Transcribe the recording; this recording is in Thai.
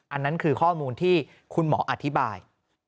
อันนั้นคือข้อมูลที่คุณหมออธิบาย